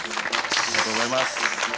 ありがとうございます。